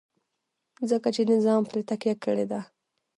ځکه چې نظام پرې تکیه کړې ده.